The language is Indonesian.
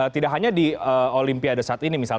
tidak hanya di olimpiade saat ini misalnya